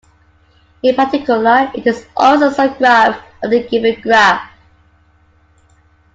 In particular, it is always a subgraph of the given graph.